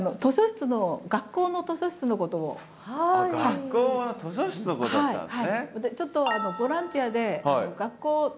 学校の図書室のことだったんですね。